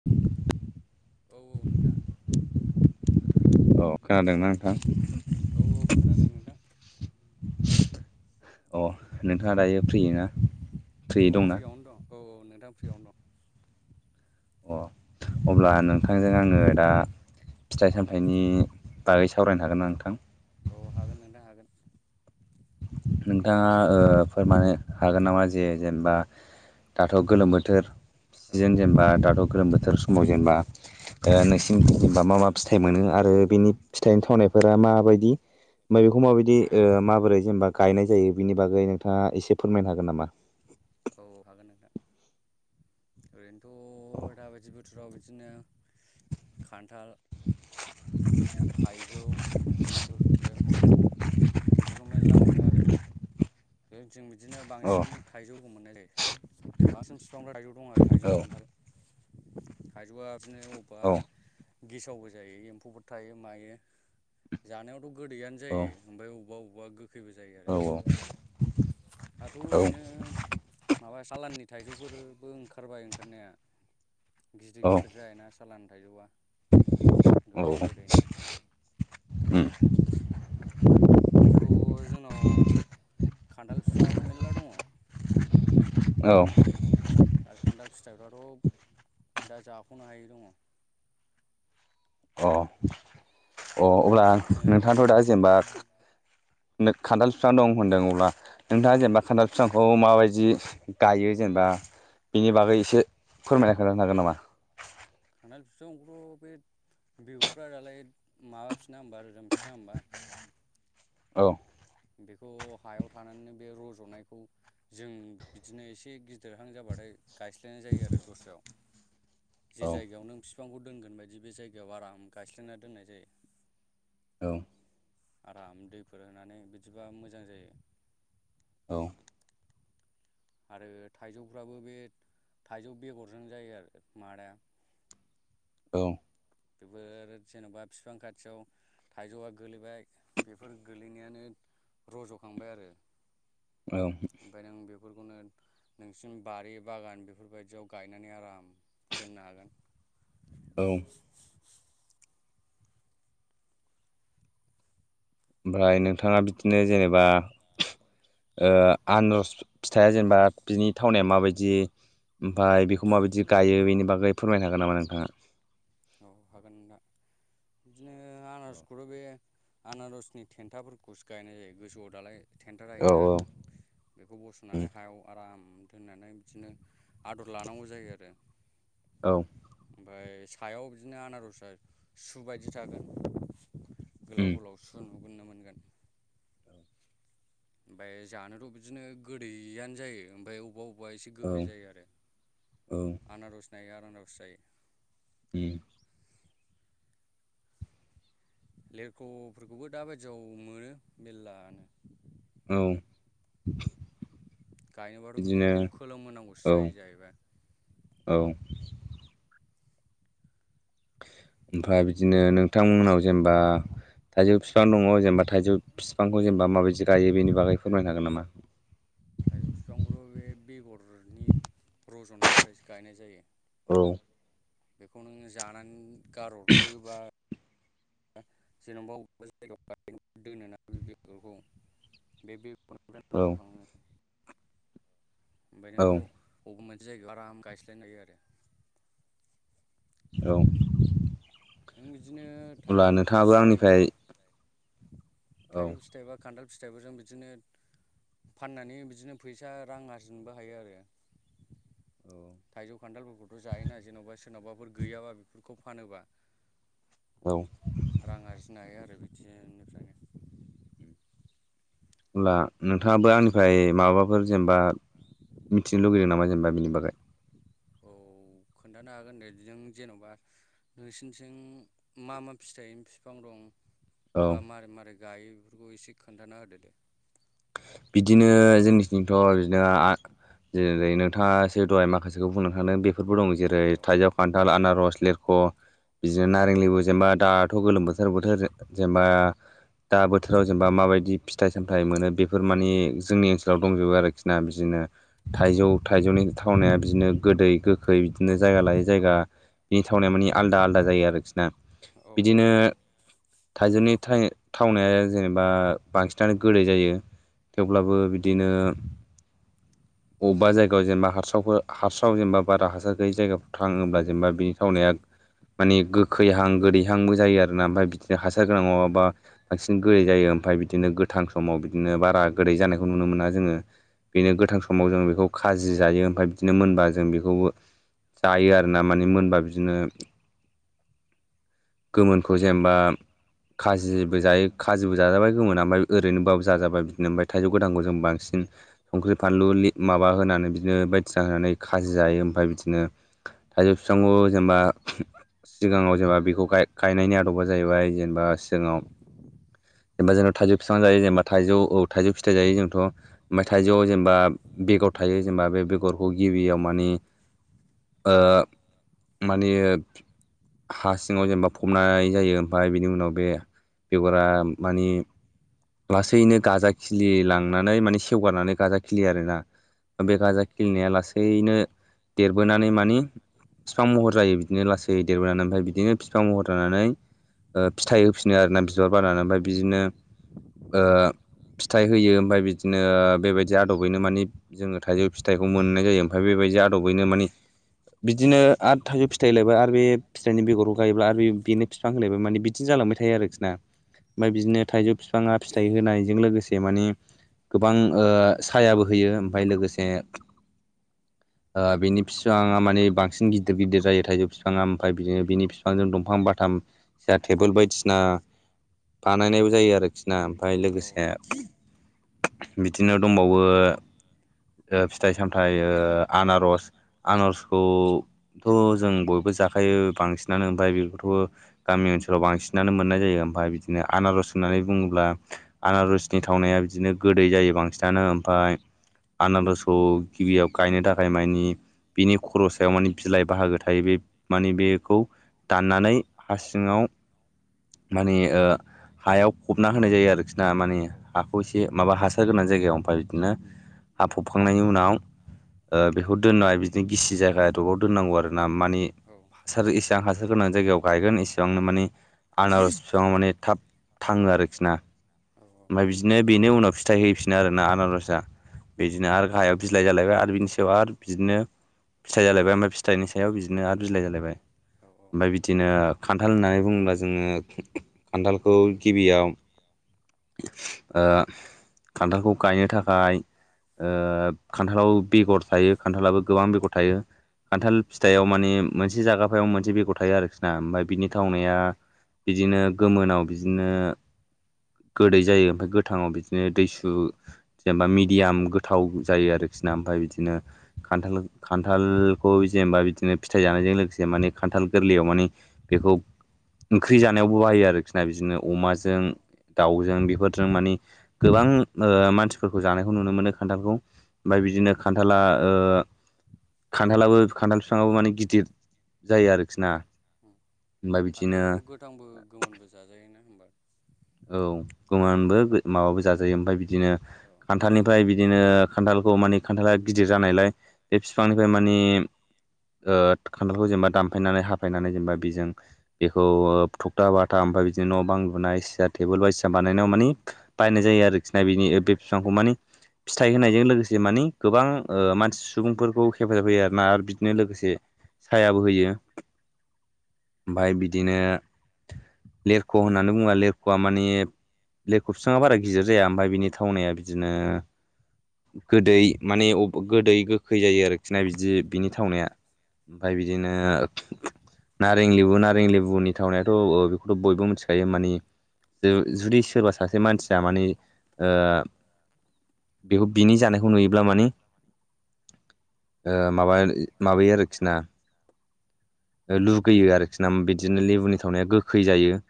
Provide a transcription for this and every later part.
[inaudible] औ औ नोंथां। अ खोनादोंना नोंथां। औ औ खोनादों नोंथां। अ नोंथाङा दायो फ्रि ना? फ्रि औ दंना फ्रियावनो दं औ औ नोंथाङा फ्रियावनो दं। अ अब्ला नोंथांजों आङो दा। फिथाइ सामथायाइनि बागै सावरायनो हागोन आं नोंथां? औ हागोन नोंथां हागोन। नोंथाङा फोरमायनो हागोन नामा जे जेनेबा दाथ' गोलोम बोथोर औ सिजेन जेनेबा दाथ' गोलोम बोथोर स समबाव जेनेबा नोंसिम जेनेबा मा मा फिथाइ मोनो आरो बेनि फिथाइनि थावनायफोरा माबायदि बेखौ माय औ माबोरै जेनेबा गायनाय जायो बिनि बागै नोंथाङा एसे फोरमायनो हागोन नामा? औ हागोन नोंथां ओरैनोथ' अ दाबायदि बोथोराव बिदिनो खान्थाल। थाइजौ लिजौ लिरख' बिदिखौ मेरला मोनो आरो। जोंनिथिं बिदिनो औ बांसिन थाइजौखौ मोननाय जायो बांसिन बिफांफोरा थाइजौ दं आरो थाइजौ खान्थाल। थाइजौआ बिदिनो अबबा औ गेसावबो जायो एम्फौबो थायो मायो जानायावथ' गोदैयानो औ जायो ओमफ्राय अबबा अबबा गो खैबो जायो आरो औ दाथ' औ ओरैनो माबा सालाननि थाइजौफोरबो ओंखारबाय ओंखारनाया गिदिर औ गिदिर जायो ना। सालान थाइजौआ औ गोदै गोदैनो। उम ओरैनोथ' जोंनाव खान्थाल बिफाङाबो मेल्ला दङ'। औ। आरो खान्थाल फिथाइफ्राथ' दा जाख'नो हायै दङ। अ अ अब्ला बिदिनो नोंथाङाथ' दा जे जेनेबा नो खान्थाल बिफां दं होनदों अब्ला नोंथाङा ओ ओ जेनेबा खान्थाल बिफांखौ माबायदि गायो जेनेबा बेनि बागै एसे फोरमायना होलांनो हागोन नामा? खान्थाल फिफांखौथ' बे बेगरफ्रा दालाय माबाफिना होमबा रोदोमफिना होमबा औ। बेखौ हायाव थानानैनो बे रज'नायखौनो जों बिदिनो एसे गिदिरहां जाबा गायस्लायनाय जायो आरो दस्रायाव औ जि जायगायाव नों बिफांखौ दोनगोन बायदि बे जायगायाव आराम गायस्लायना दोननाय जायो। औ आराम दैफोर होनानै बिदिबा मोजां जायो। औ आरो थाइजौफ्राबो बे थाइजौ बेगरजों जायो आरो मादाया औ बेफोर जेन'बा फिफां खाथियाव थाइजौआ गोलैबाय बेफोर गोलैनायानो रज'खांबाय आरो औ ओमफाय नों बेफोरखौनो नोंसिनि बारि बागान बेफोर बायदियाव गायनानै आराम दोननो हागोन औ ओमफ्राय नोंथाङा बिदिनो जेनेबा ओम ओ आनरस फिथाइया जेनेबा बिनि थावनाया माबायदि ओमफाय बेखौ माबायदि गायो बेनि बागै फोरमायनो हागोन नामा नोंथाङा औ हागोन नोंथां बिदिनो आनारसखौथ' बे आनारसनि थेन्थाफोरखौसो गायनाय जायो गोसोआव दालाय थेन्था औ थायोना बेखौ बस'नानै हायाव आराम दोननानै बिदिनो आदर लानांगौ जायो आरो औ ओमफाय सायाव बिदिनो आनारसा सु बायदि थागोन उम गोलाव गोलाव सु नुगोननो मोनगोन ओमफाय जानोथ' बिदिनो गोदैयानो जायो ओमफाय बबाव बा एसे औ गोखै जायो आरो औ आनारस नायो आनारस जायो उम लेरख'फोरखौबो दाबायदियाव मोनो मेरलानो औ गायनोबाथ' बिदिनो बेफोरखौ खोलोम होनांगौसो औ जायो जाहैबाय औ ओमफ्राय बिदिनो नोंथांमोननाव जेनेबा थाइजौ बिफां दङ जेनेबा थाइजौ बिफांखौ जेनेबा माबायदि गायो बेनि बागै फोरमायनो हागोन नामा थाइजौ बिफांखौथ' बे बेगरनि रज'नायनिफ्रायसो गायनाय जायो। औ बेखौ नोङो जानानै गारहरो बा जेनेबा बबेबा जायगायाव [unintelligible] दोनोना बेखौ बे बे औ नोंथां औ रज' खाङो ओमफ्राय औ नोंखौ बबेबा मोनसे जायगायाव आराम गायस्लायनो हायो आरो औ नों बिदिनो अब्ला थाइजौ नोंथाङाबो फिथाइबा आंनिफ्राय औ थाइजौ फिथाइबा खान्थाल फिथाइफोरजों बिदिनो फाननानै बिदिनो फैसा रां आरजिनोबो हायो आरो औ थाइजौ खान्थालफोरखौथ' जायोना जेन'बा सोरनावबाफोर गैयाबा बेफोरखौ फानोबा औ रां आरजिनो हायो आरो बिदिनिफ्रायनो अब्ला नोंथाङाबो आंनिफ्राय माबाफोर जेनेबा मिथिनो लुगैदों नामा जेनेबा बिनि बागै औ खोन्थानो हागोन दे नों जेन'बा नोंसोरनिथिं मा मा फिथाइनि बिफां दं औ बा मारै मारै गायो बेफोरखौ एसे खोन्थाना होदो दे बिदिनो जोंनिसंथ' बिदिनो आ जेरै नोंथाङासो दहाय माखासेखौ बुंनो थांदों बे बेफोरबो दं औ जेरै थाइजौ खान्थाल आनारस लिरख' बिदिनो उम नारें लेबु जेनेबा दा गथ' गोलोम बोथोर बोथोर जेनेबा दा बोथोराव जेनेबा माबायदि फिथाइ सामथाइ मोनो बे बेफोर माने जोंनि ओनसोलाव दंजोबो आरोखि ना बिदिनो औ थाइजौ थाइजौनि थावनाया बिदिनो गोदै गोखै बिदिनो जायगा लायै जायगा बिनि थावनाया माने आलदा आलादा जायो आरोखि नि औ औ बिदिनो थाइजौनि थाइ थावनाया जेनेबा बांसिनानो गोदै जायो उम थेवब्लाबो बिदिनो अबेबा जायगायाव जेनेबा हारसावफोर [unintelligible] हारासाव जेनेबा बारा हासार गैयै जायगाफोराव थाङोब्ला जेनेबा बिनि थावनाया मानि गोखैहां गोदै हांबो जायो आरोना ओमफ्राय बिदिनो औ हासार गोनां नङाबा बांसिन गोदै जायो ओमफ्राय बिदिनो गोथां उम समाव बि दिनो बारा गोदै जानायखौ नुनो मोना जोङो बेनो औ गोथां समाव जों बेखौ खाजि जायो ओमफ्राय बिदिनो मोनबा जों बेखौबो जायो आरो ना माने मोनबा बिदिनो गोमोनखौ जेनेबा खाजिबो जायो खाजिबो जाजाबाय गोमोना ओमफ्राय ओरैनोबाबो जाजाबाय जेनेबाय [unintelligible] थाइजौ गोथांखौ जों बांसिन संख्रि फानलु [unintelligible] ले माबा होनानै बिदिनो बायदिसिना होनानै खाजि जायो ओमफ्राय बिदिनो थाइजौ बिफांखौ जेनेबा सिगाङाव जेनबा बेखौ गायनायनि आदबा जाहैबाय जेनेबा सिगाङाव जेनेबा जोंनाव थाइजौ बिफां जायो जेनेबा थाइजौ औ थाइजौ फिथाइ जायो जोंथ' ओमफ्राय औ थाइजौ जेनेबा बेगर थायो जेनेबा बे बेगरखौ गिबियाव मानि ओ माने हा सिङाव जेनेबा फबनाय जायो ओमफ्राय बिनि उनाव बे बेगरा माने लासैनो गाजा खिलि लांनानै माने सेवगारनानै गाजा खिलियो आरोना औ बे गाजा खिलिनाया लासैनो देरबोनानै माने बिफां महर जायो बिदिनो लासै देरबोनानै ओमफ्राय बिदिनो फि बिफां महर होनानानै फिथाइ होफिनो आरो ना बिबार बारानानै ओमफ्राय बिदिनो ओ फिथाइ होयो ओमफ्राय बिदिनो बेबायदि आदबैनो मानि जोङो थाइजौ फिथाइखौ मोननाय जायो ओमफ्राय बेबायदि आदबैनो मानि बिदिनो आ थाइजौ फिथाइ होलायबाय आरो बे फिथाइनि औ उम औ उम औ उम औ उम औ बेगरखौ गायोब्ला आरो बेनो बिफां होलायबाय माने बिदिनो जालांबाय थायो आरोखि ना ओमफ्राय बिदिनो थाइजौ बिफाङा फिथाइ होनायजों लोगोसे माने गोबां सायाबो होयो ओमफ्राय लोगोसे बिनि बिफाङा माने बांसिन गिदिर गिदिर जायो थाइजौ बिफाङा ओमफ्राय बिदिनो बिनि बिफांजों दंफां बाथाम जाहा टेबोल बायदिसिना बानायनायबो जायो आरोखि ना ओमफ्राय लोगोसे बिदिनो दंबावो फिथाइ सामथाइ आनारस आनारसखौ थ' जों बयबो जाखायो बांसिनानो ओमफ्राय बेखौथ' गामि ओनसोलाव बांसिनानो मोननाय जायो ओमफ्राय बिदिनो आनारस होननानै बुङोब्ला आनारस नि थावनाया बिदिनो गोदै जायो बांसिनानो ओमफ्राय आनरसखौ गिबियाव गायनो थाखाय मानि बिनि खर' सायाव माने बिलाइ बाहागो थायो बे माने बेखौ दाननानै हा सिङाव माने हायाव फबना होनाय जायो आरोखि ना माने हाखौ एसे माबा हासार गोनां जायगायाव ओमफ्राय बिदिनो हा फबखांनायनि उनाव बेखौ दोननाय बिदिनो गिसि जाया दबाव दोननांगौ आरो ना माने औ हासार जेसेबां हासार गोनां जायगायाव गायगोन इसिबांनो माने आनारस बिफाङाव माने थाब थाङो आरोखि ना ओमफ्राय बिदिनो बेनि उनाव फिथाइ होफिन आरोना आनारसआ बिदिनो आरो गाहायाव बिलाइ जालायबाय आरो बिनि सायाव आरो बिदिनो फिथाइ जाय ओमफ्राय फिथाइनि सायाव बिदिनो आरो बिलाय जालायबाय औ ओमफ्राय बिदिनो खान्थाल होननानै बुङोब्ला जोङो खान्थालखौ गिबियाव ओ खान्थालखौ गायनो थाखाय खान्थालाव बेगर थायो खान्थालाबो गोबां बेगर थायो खान्थाल फिथाइाव माने मोनसे जागाफायाव मोनसे बेगर थायो आरोखि ना ओमफ्राय बिनि थावनाया बिदिनो गोमोनाव बिदिनो गोदै जायो ओमफ्राय गोथाङाव बिदिनो दैसुब जेनेबा मिडियाम गोथाव जायो आरोखि ना ओमफ्राय बिदिनो खान्थाल खान्थालखौ जेनेबा बिदिनो फिथाइ जानायजों लोगोसे माने खान्थाल गोरलैयाव माने बेखौ ओंख्रि जानायावबो बाहायो आरोखि ना बिदिनो अमाजों दाउजों बेफोरजों मानि गोबां ओ मानसिफोरखौ जानायखौ नुनो मोनो खान्थालखौ ओमफ्राय बिदिनो खान्थाला ओ खान्थालाबो खान्थाल फिफांआबो माने गिदिर जायो आरोखि ना औ ओमफ्राय बिदिनो खान्थालखौथ गोथांबो गोमोनबो जाजायोना होमबा औ गोमोनबो माबाबो जाजायो ओमफ्राय बिदिनो औ खान्थालनिफ्राय बिदिनो खान्थालखौ माने खान्थाला‌ गिदिर जानायलाय बे फिफांनिफ्राय माने ओ खान्थालखौ जेनेबा दामफायनानै हाफायनानै जेनेबा बेजों बेखौ थखथा बाथाम ओमफ्राय बिदिनो न' बां लुनाय सियार टेबोल बायदिसिना बानायनायाव माने बाहायनाय जायो आरोखिना बेनि औ बे फिफांखौ माने फिथाइ होनायजों लोगोसे माने गोबां मानसि सुबुंफोरखौ हेफाजाब होयो आरोना आरो बिदिनो लोगोसे सायाबो होयो ओमफ्राय बिदिनो लेरख होननानै बुङो लेरख आ मानि लेरख बिफाङा बारा गिदिर जाया ओमफ्राय बिनि थावनाया बिदिनो गोदै माने गोदै गोखै जायो आरोखि ना बिदि बिनि थावनाया ओमफ्राय बिदिनो नारें लेबु नारें लेबुनि थावनायाथ बेखौ बयबो मिथिखायो माने ज जुदि सोरबा सासे मानसिया माने ओ बेखौ बिनि जानायखौ नुयोब्ला माने ओ माबा माबायो आरोखि ना लुगैयो आरोखि ना बिदिनो औ लेबुनि थावनाया गोखै जायो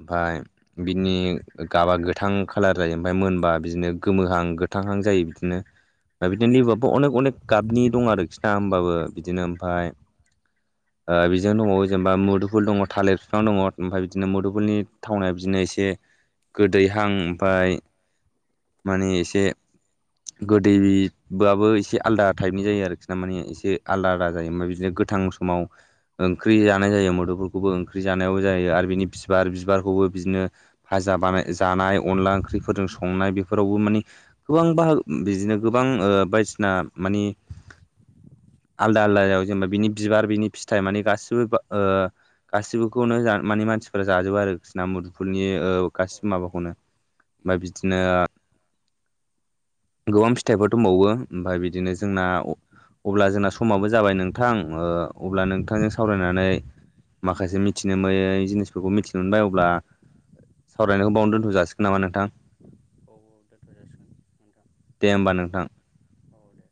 ओमफाय बिनि गाबा गोथां खालार जायो ओमफाय मोनबा बिदिनो गोमोहां गो थांहां जायो बिदिनो ओमफ्राय उम बिदिनो लिबुआबो अनेक अनेक गाबनि दं आरोखि ना होमबाबो बिदिनो ओमफाय [inaudible] ओ बिजों दङावो जेनेबा मुदुफुल दङ थालिर बिफां दङ ओमफ्राय बिदिनो मुदुफुलनि थावनाया बिदिनो एसे गोदैहां ओमफाय माने इसे गोदैबाबो एसे आलदा टाइपनि जायो आरोखि ना माने उम एसे आलदा आलदा जायो ओमफ्राय बिदिनो गोथां समाव ओंख्रै जानाय जायो मोदोफोलखौबो ओंख्रि जानायाव जायो आरो बिनि बिबार बिबारखौबो बिदिनो भाजा बानाय जानाय अनला ओंख्रिफोरजों संनाय बेफोरावबो माने गोबां बाहागो बिदिनो गोबां बायदिसिना मानि आलदा आलदायाव जेनेबा बिनि बिबार बिनि फिथाइ मानि गासिबो ओ गासिबोखौनो माने मानसिफोरा जाजोबो आरो बिसोरना मुदुफुनि ओ औ गासिबो माबाखौनो। उम औ उम ओमफ्राय बिदिनो गोबां फिथाइफोर दंबावो ओमफाय बिदिनो जोंना अब्ला जोंना समाबो जाबाय नोंथां ओ अब्ला औ नोंथांजों सावरायनानै माखासे मिथिनो मोनै जिनिसफोरखौ मिथिनो मोनबाय अब्ला सावरायनायखौ बेयावनो दोनथजासिगोन नामा नोंथां? औ औ देनथ जासिगोन। नोंथां दे ओमबा नोंथां। औ दे